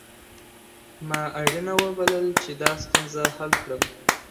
ما اړینه وبلله چي دا ستونزه حل کړم.